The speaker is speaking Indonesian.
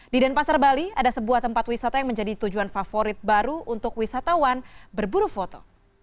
di denpasar bali ada sebuah tempat wisata yang menjadi tujuan favorit baru untuk wisatawan berburu foto